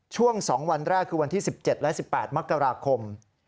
ช่วง๒วันแรกคือวันที่๑๗และ๑๘มกราคม